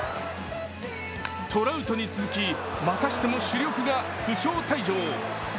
トラウトに続き、またしても主力が負傷退場。